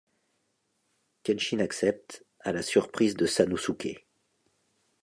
Kenshin accepte, à la surprise de Sanosuké.